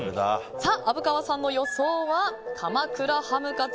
虻川さんの予想は鎌倉ハムカツ。